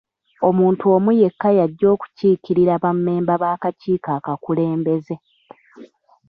Omuntu omu yekka y'ajja okukiikirira bammemba b'akakiiko akakulembeze.